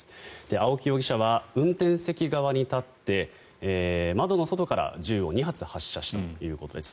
青木容疑者は運転席側に立って窓の外から銃を２発発射したということです。